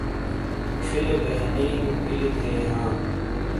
چھیلے بیانی نی پھِیلی تھے ہاں۔